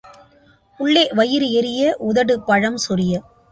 உள்ளே வயிறு எரிய, உதடு பழம் சொரிய.